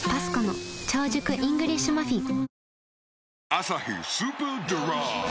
「アサヒスーパードライ」